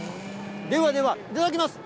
ではでは、いただきます。